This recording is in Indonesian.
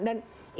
dan itu ada atur